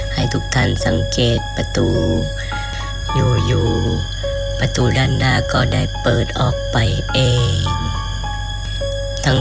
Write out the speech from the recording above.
ให้ทุกท่านสังเกตประตูอยู่ประตูด้านหน้าก็ได้เปิดออกไปเอง